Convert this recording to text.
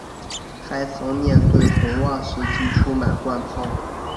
还曾面对红袜时击出满贯炮。